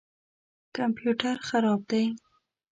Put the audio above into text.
کمپیوټر خراب دی